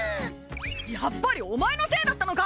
やっぱりお前のせいだったのか！